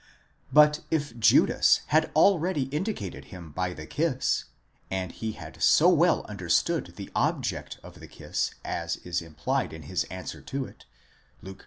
3 But if Judas had already indicated him by the kiss, and he had so well under stood the object of the kiss as is implied in his answer to it, Luke v.